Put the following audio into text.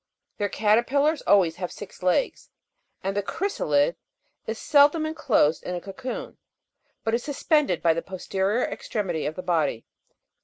Their caterpillars always have six legs, and the chrysalid is seldom enclosed in a cocoon, but is suspended by the posterior extremity of the body.